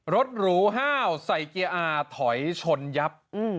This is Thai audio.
หรูห้าวใส่เกียร์อาร์ถอยชนยับ